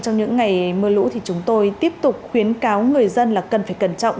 trong những ngày mưa lũ thì chúng tôi tiếp tục khuyến cáo người dân là cần phải cẩn trọng